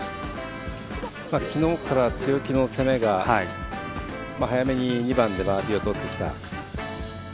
きのうから強気の攻めが早めに２番でバーディーをとってきた。